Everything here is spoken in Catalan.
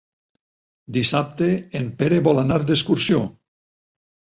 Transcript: Dissabte en Pere vol anar d'excursió.